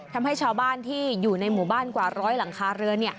ทำให้ชาวบ้านที่อยู่ในหมู่บ้านกว่าร้อยหลังคาเรือน